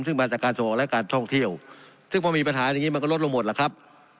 ซึ่งมาจากการส่งออกและการท่องเที่ยวซึ่งพอมีปัญหาอย่างนี้มันก็ลดลงหมดล่ะครับ